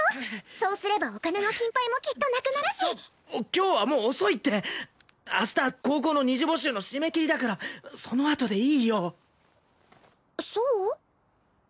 そうすればお金の心配もきっとなくなるし今日はもう遅いって明日高校の二次募集の締め切りだからそのあとでいいよそう？